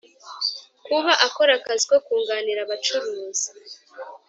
Kuba akora akazi ko kunganira abacuruzi